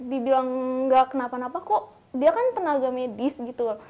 dibilang gak kenapa napa kok dia kan tenaga medis gitu loh